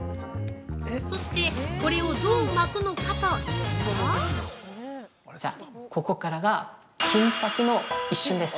そして、これをどう巻くのかというと◆じゃあ、ここからがキンパクの一瞬です！